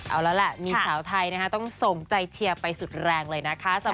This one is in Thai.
เอาแล้วแหละมีสาวไทยต้องสมใจเชียร์ไปสุดแรงเลยนะคะ